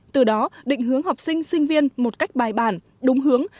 từ đó định hướng học sinh sinh viên một cách bài bản đúng hướng